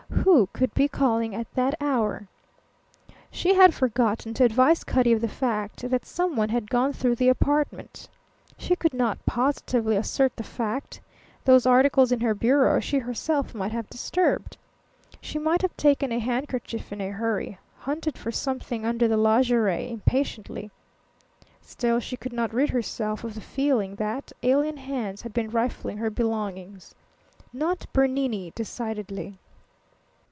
Who could be calling at that hour? She had forgotten to advise Cutty of the fact that someone had gone through the apartment. She could not positively assert the fact. Those articles in her bureau she herself might have disturbed. She might have taken a handkerchief in a hurry, hunted for something under the lingerie impatiently. Still she could not rid herself of the feeling that alien hands had been rifling her belongings. Not Bernini, decidedly.